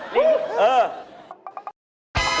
หก